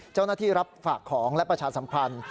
เจ้านักที่รับฝากของและประชาสัมพันธ์